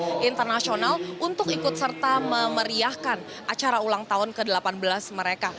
dan juga musisi internasional untuk ikut serta memeriahkan acara ulang tahun ke delapan belas mereka